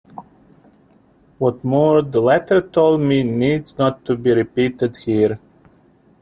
What more the letter told me needs not to be repeated here.